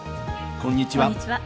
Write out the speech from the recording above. こんにちは。